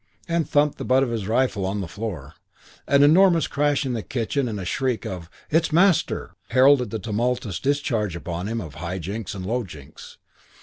and thumped the butt of his rifle on the floor. An enormous crash in the kitchen and a shriek of "It's the master!" heralded the tumultuous discharge upon him of High Jinks and Low Jinks.